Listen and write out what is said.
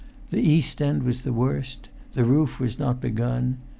The east end was the worst; the roof was not begun.